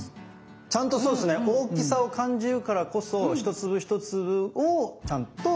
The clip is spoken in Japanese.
ちゃんとそうですね大きさを感じるからこそ一粒一粒をちゃんとその意識できるというか。